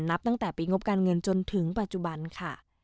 นับตั้งแต่ปีงบการเงินจนถึงปัจจุบันค่ะ